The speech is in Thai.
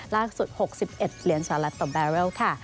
ล่าสุด๖๑เหรียญสาวละต่อแบเรลค่ะ